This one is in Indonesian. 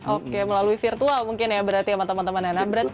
oke melalui virtual mungkin ya berarti sama teman teman